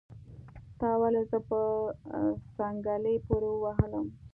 تا ولې زه په څنګلي پوري وهلم